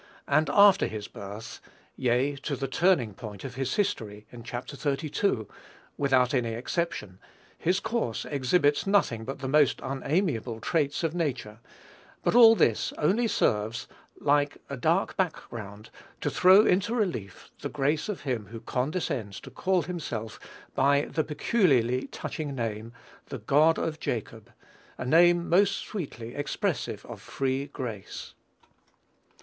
And, after his birth, yea, to the turning point of his history, in Chap. xxxii., without any exception, his course exhibits nothing but the most unamiable traits of nature; but all this only serves, like a dark back ground, to throw into relief the grace of him who condescends to call himself by the peculiarly touching name, "the God of Jacob," a name most sweetly expressive of free grace.